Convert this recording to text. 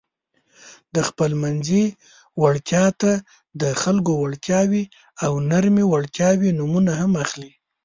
خپلمنځي وړتیا ته د خلکو وړتیاوې او نرمې وړتیاوې نومونه هم اخلي.